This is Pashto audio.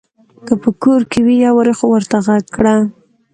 که په کور کې وي يوارې خو ورته غږ کړه !